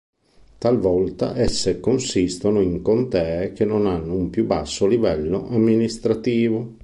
Talvolta esse consistono in contee che non hanno un più basso livello amministrativo.